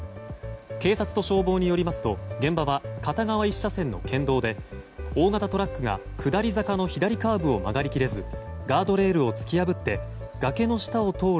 警察と消防によりますと現場は片側１車線の県道で大型トラックが下り坂の左カーブを曲がり切れずガードレールを突き破って崖の下を通る